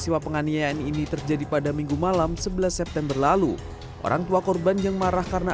sebagai pengelapan jangkaan tadi anak masyarakat yang memerlas prisonafa ada itu